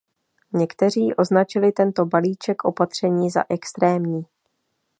Někteří označili tento balíček opatření za extrémní.